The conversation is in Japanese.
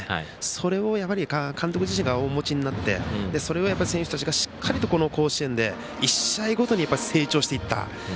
それを監督自身がお持ちになってそれを選手たちがしっかりとこの甲子園で１試合ごとに成長していった。